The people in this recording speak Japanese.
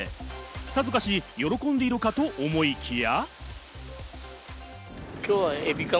さぞかし喜んでいるかと思いきや。